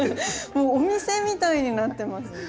もうお店みたいになってますね。